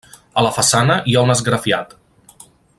A la façana hi ha un esgrafiat.